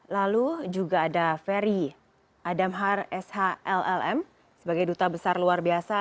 lalu juga ada ferry adamhar shlm sebagai duta besar luar biasa